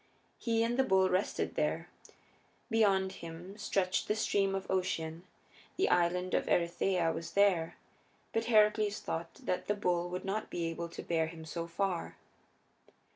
He and the bull rested there. Beyond him stretched the Stream of Ocean; the Island of Erytheia was there, but Heracles thought that the bull would not be able to bear him so far.